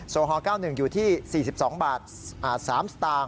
โซฮ๙๑อยู่ที่๔๒๓๐บาท